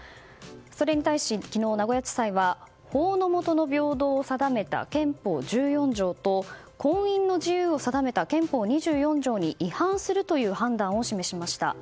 それに対し昨日、名古屋地裁は法の下の平等を定めた憲法１４条と婚姻の自由を定めた憲法２４条に違反するという判断を示しました。